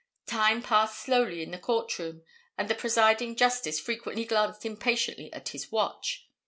Time passed slowly in the court room, and the presiding Justice frequently glanced impatiently at his watch.